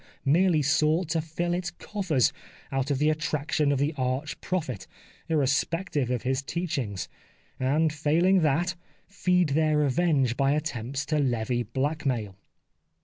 merely sought to fill its coffers out of the attraction of the Arch Prophet, irrespective of his teachings, and failing that, feed their revenge by attempts to levy black mail."